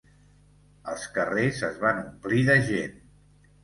...els carrers es van omplir de gent.